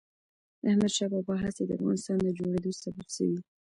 د احمد شاه بابا هڅې د افغانستان د جوړېدو سبب سوي.